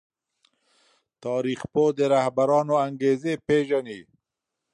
تاريخ پوه د رهبرانو انګېزې پېژني.